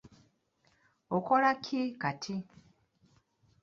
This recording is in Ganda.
Okola ki kati?